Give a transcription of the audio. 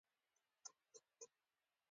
ښۍ پونده مې نرۍ نرۍ خوږېده.